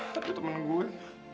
tapi temen gue